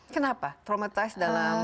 kenapa traumatized dalam